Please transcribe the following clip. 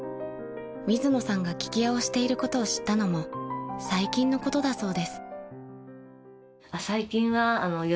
［水野さんが聞き屋をしていることを知ったのも最近のことだそうです］